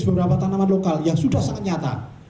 beberapa tanaman lokal yang sudah sangat nyata